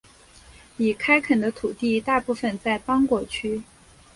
已开垦的土地大部分在邦果区。